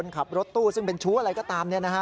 ขับรถตู้ซึ่งเป็นชู้อะไรก็ตาม